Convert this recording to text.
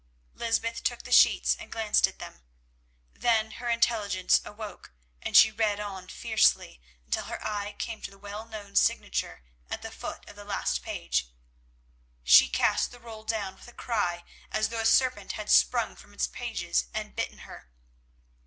Lysbeth took the sheets and glanced at them. Then her intelligence awoke, and she read on fiercely until her eye came to the well known signature at the foot of the last page. She cast the roll down with a cry as though a serpent had sprung from its pages and bitten her.